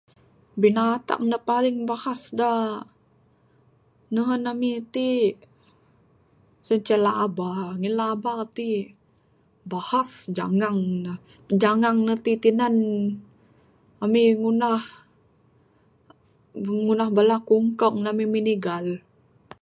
Binatang da paling bahas da nehen ami ti sien ceh laba, ngin laba ti bahas janggang ne. Jaggang ne ti tinan ami ngunah ... ngunah bala kungkong nan ami minigal.